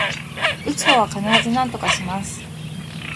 打つ方は必ずなんとかします